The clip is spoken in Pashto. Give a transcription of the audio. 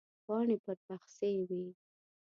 پاڼې پر پخڅې وې.